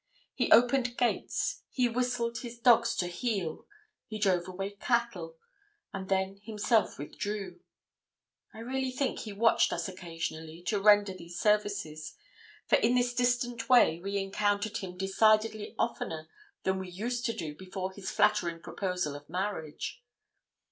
He opened gates, he whistled his dogs to 'heel,' he drove away cattle, and then himself withdrew. I really think he watched us occasionally to render these services, for in this distant way we encountered him decidedly oftener than we used to do before his flattering proposal of marriage.